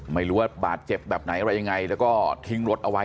ไม่รู้ว่าบาดเจ็บแบบไหนอะไรยังไงแล้วก็ทิ้งรถเอาไว้